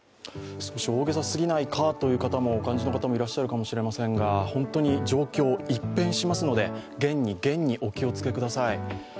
少し大げさすぎないかとお感じの方もいらっしゃるかもしれませんが、本当に状況、一変しますので厳に厳にお気をつけください。